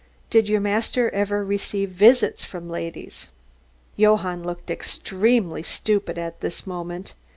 "Did your master ever receive visits from ladies?" Johann looked extremely stupid at this moment.